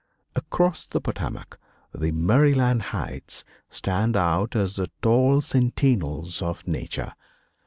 Across the Potomac the Maryland Heights stand out as the tall sentinels of Nature.